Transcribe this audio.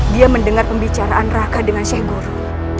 dia mendengar pembicaraan raka dengan sheikh guru